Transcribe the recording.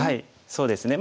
そうですね。